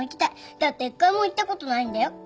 だって１回も行ったことないんだよ。